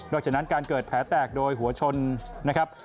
นอกจากนั้นการเกิดแพ้แตกโดยหัวชนนะครับ